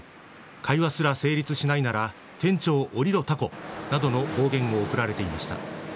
会話すら成立しないなら店長降りろタコなどの暴言を送られていました。